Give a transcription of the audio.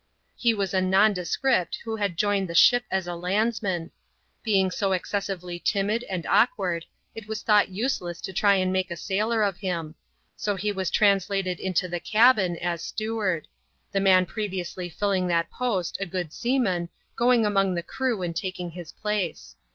He was a nondescript who had joined the ship as a landsman. Being so excessively timid and awkward, it was thought use less to try and make a sailor of him ; so he was translated into the cabin as steward ; the man previously filling that post, a good seaman, going among the crew and taking his place.